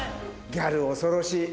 ギャル恐ろしい。